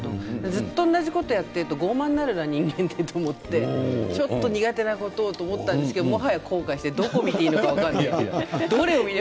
ずっと同じことをやっていると傲慢になるな人間がと思って苦手なことと思ったんですけどもはや公開してどこ見ていいか分かりません。